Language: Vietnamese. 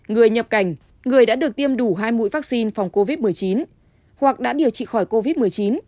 người nhập cảnh người đã được tiêm đủ hai mũi vaccine phòng covid một mươi chín hoặc đã điều trị khỏi covid một mươi chín